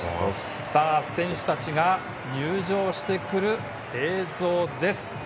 選手たちが入場してくる映像です。